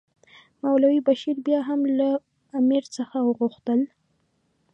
مولوي بشیر بیا هم له امیر څخه وغوښتل.